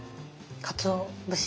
かつお節。